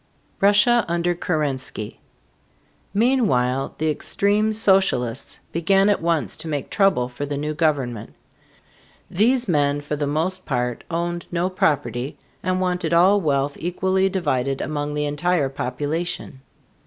RUSSIA UNDER KERENSKY. Meanwhile the extreme socialists began at once to make trouble for the new government. These men for the most part owned no property and wanted all wealth equally divided among the entire population.